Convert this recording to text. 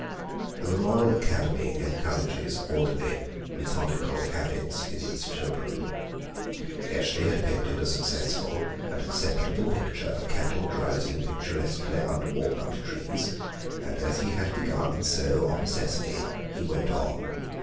The Royal Academy encourages orderly, methodical habits in its children. Eshley had painted a successful and acceptable picture of cattle drowsing picturesquely under walnut trees, and as he had begun, so, of necessity, he went on.